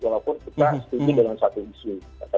walaupun kita setuju dengan satu isu